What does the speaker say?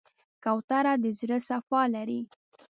کوتره د زړه صفا لري.